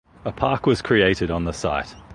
A park was created on the site.